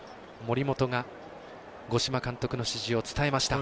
五島監督の指示を伝えました。